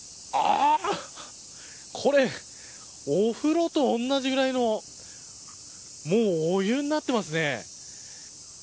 これ、お風呂と同じくらいのお湯になっていますね。